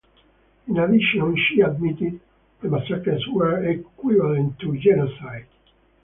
In addition, she admitted the massacres were equivalent to genocide.